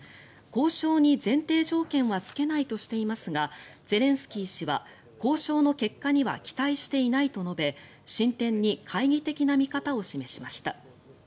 交渉に前提条件はつけないとしていますがゼレンスキー氏は交渉の結果には期待していないと述べ進展に懐疑的な見方を示しました。